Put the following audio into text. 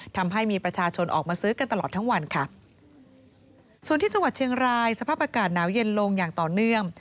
ทำให้มีประชาชนออกมาซื้อกันตลอดทั้งวันค่ะส่วนที่จังหวัดเชียงรายสภาพอากาศหนาวเย็นลงอย่างต่อเนื่อง